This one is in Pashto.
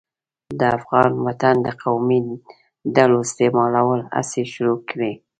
د افغان وطن د قومي ډلو استعمالولو هڅې شروع کړې.